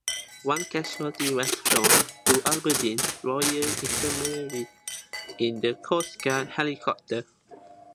One casualty was flown to Aberdeen Royal Infirmary in the coastguard helicopter.